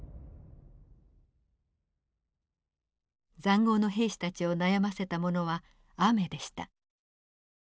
塹壕の兵士たちを悩ませたものは雨でした。